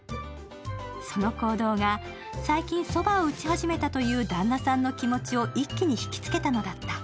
その行動が最近、そばを打ち始めたという旦那さんの気持ちを一気に引きつけたのだった。